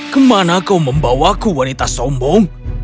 kau tidak bisa membawaku wanita sombong